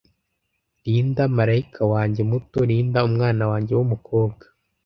Rinda marayika wanjye muto; rinda umwana wanjye wumukobwa.